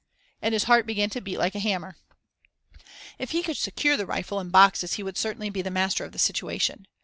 And his heart began to beat like a hammer. If he could secure the rifle and boxes he would certainly be the master of the situation.